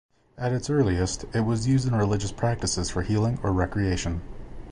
At its earliest, it was used in religious practices for healing or recreation.